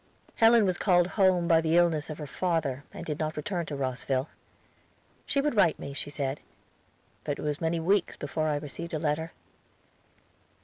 Helen was called home by the illness of her father and did not return to Rosville. She would write me, she said; but it was many weeks before I received a letter.